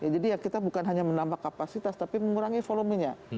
jadi ya kita bukan hanya menambah kapasitas tapi mengurangi volumenya